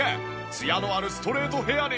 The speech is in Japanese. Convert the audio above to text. ツヤのあるストレートヘアに。